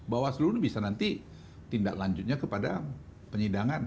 bawaslu ini bisa nanti tindak lanjutnya kepada penyidangan